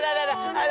aduh aduh aduh aduh